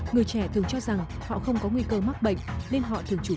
người trẻ thường cho rằng họ không có nguy cơ mắc bệnh